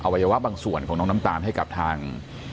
วัยวะบางส่วนของน้องน้ำตาลให้กับทาง